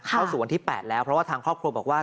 เข้าสู่วันที่๘แล้วเพราะว่าทางครอบครัวบอกว่า